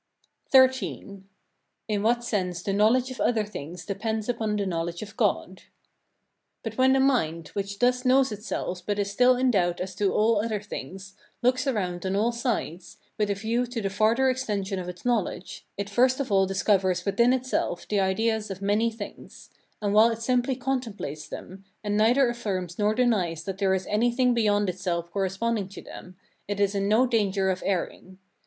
XIII. In what sense the knowledge of other things depends upon the knowledge of God. But when the mind, which thus knows itself but is still in doubt as to all other things, looks around on all sides, with a view to the farther extension of its knowledge, it first of all discovers within itself the ideas of many things; and while it simply contemplates them, and neither affirms nor denies that there is anything beyond itself corresponding to them, it is in no danger of erring.